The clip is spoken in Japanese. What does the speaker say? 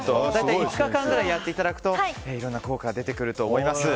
５日間くらいやっていただくと効果が出てくると思います。